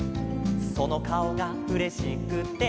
「そのかおがうれしくて」